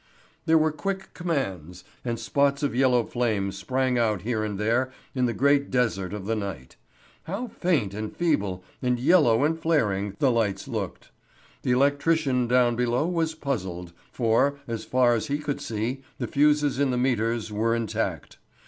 There were quick commands, and spots of yellow flame sprang out here and there in the great desert of the night. How faint and feeble, and yellow and flaring, the lights looked! The electrician down below was puzzled, for, so far as he could see, the fuses in the meters were intact.